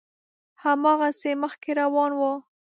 هماغسې مخکې روان و.